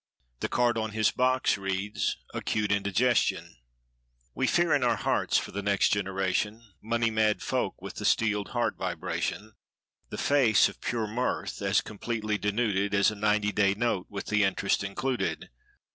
The card on his "box" reads—"Acute Indigestion." We fear in our hearts, for the next generation. Money mad folk with the steeled heart vibration. The face, of pure mirth, as completely denuded As a ninety day note with the interest included.